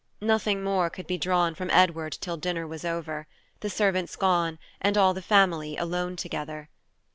Nothing more could be drawn from Edward till dinner was over, the servants gone, and all the family alone together.